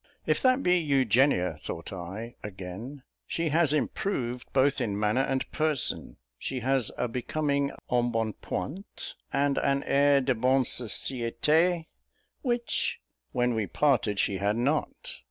"If that be Eugenia," thought I, again, "she has improved both in manner and person. She has a becoming embonpoint, and an air de bon societé which, when we parted, she had not."